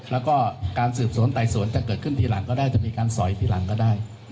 แล้วก็การสืบสวนไต่สวนจะเกิดขึ้นทีหลังก็ได้จะมีการสอยทีหลังก็ได้